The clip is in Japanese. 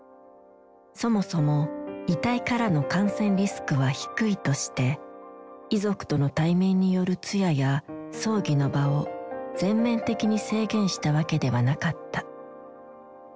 そもそも「遺体からの感染リスクは低い」として遺族との対面による通夜や葬儀の場を全面的に制限したわけではなかった。